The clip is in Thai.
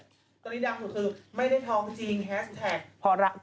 ตอนนี้ดังสุดคือไม่ได้ท้องจริงแฮสแท็กพอรักจริง